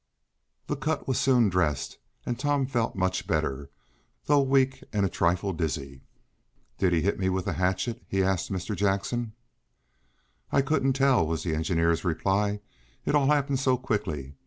The cut was soon dressed, and Tom felt much better, though weak and a trifle dizzy. "Did he hit me with the hatchet?" he asked Mr. Jackson. "I couldn't tell," was the engineer's reply, "it all happened so quickly.